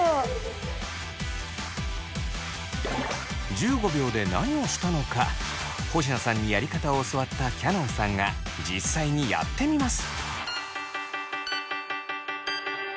１５秒で何をしたのか保科さんにやり方を教わったきゃのんさんが実際にやってみます。